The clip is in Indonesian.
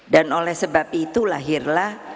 dan oleh sebab itu lahirlah